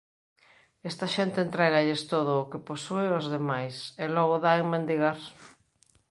Esta xente entrégalles todo o que posúe aos demais, e logo dá en mendigar.